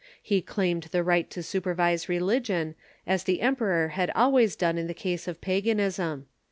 He claimed the right to supervise religion, as the em peror had always done in the case of paganism.